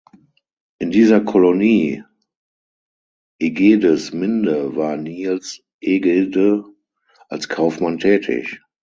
In dieser Kolonie Egedesminde war Niels Egede als Kaufmann tätig.